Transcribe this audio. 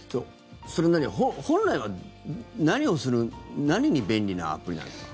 本来は何をする何に便利なアプリなんですか？